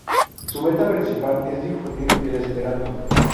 Su meta principal es difundir el esperanto.